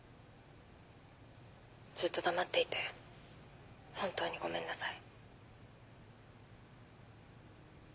ずっと黙っていて本当にごめんなさい。